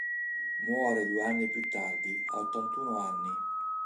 Muore due anni più tardi, a ottantuno anni.